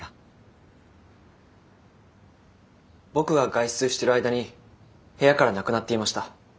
僕が外出している間に部屋からなくなっていました。